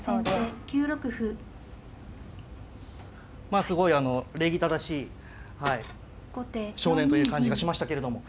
まあすごいあの礼儀正しいはい少年という感じがしましたけれども。